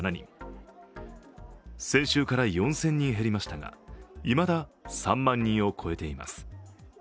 先週から４０００人減りましたがいまだ、３万人を超えています。